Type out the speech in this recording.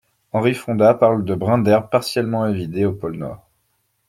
Henry Fonda parle de brins d'herbe partiellement évidés au pôle nord.